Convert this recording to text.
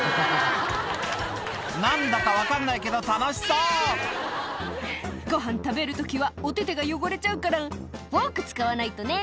何だか分かんないけど楽しそう「ごはん食べる時はお手手が汚れちゃうからフォーク使わないとね」